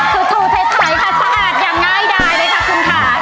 คือถูเทศไหร่ค่ะสะอาดอย่างง่ายดายเลยค่ะคุณค่ะ